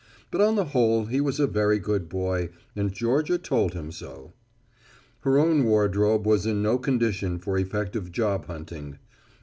But on the whole he was a very good boy, and Georgia told him so. Her own wardrobe was in no condition for effective job hunting.